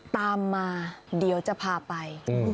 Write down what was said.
ตามมาเดี๋ยวจะพาไป